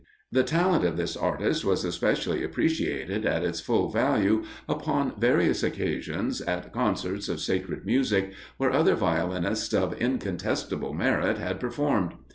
The talent of this artist was especially appreciated at its full value upon various occasions at concerts of sacred music, where other violinists of incontestable merit had performed.